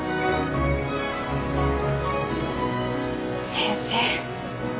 先生